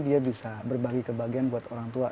dia bisa berbagi kebahagiaan buat orang tua